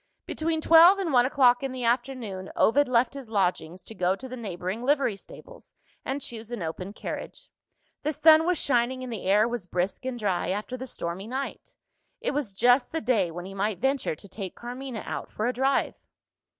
Between twelve and one o'clock in the afternoon, Ovid left his Lodgings, to go to the neighbouring livery stables, and choose an open carriage. The sun was shining, and the air was brisk and dry, after the stormy night. It was just the day when he might venture to take Carmina out for a drive.